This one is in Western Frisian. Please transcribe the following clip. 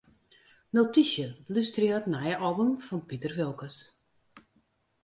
Notysje: Belústerje it nije album fan Piter Wilkens.